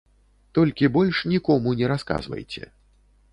Толькі больш нікому не расказвайце.